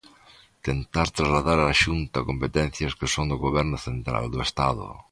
Tentar trasladar á Xunta competencias que son do Goberno central, do Estado.